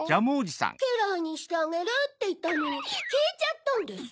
「けらいにしてあげる」っていったのにきえちゃったんです。